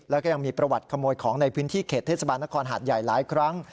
แล้วก็ยังมีประวัติขโมยของในพื้นที่เขตเทศบาลนครหาดใหญ่หลายครั้ง